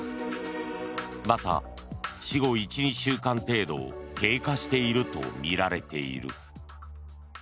また死後１２週間程度経過しているとみられている。